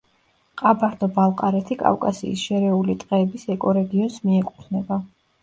ყაბარდო-ბალყარეთი კავკასიის შერეული ტყეების ეკორეგიონს მიეკუთვნება.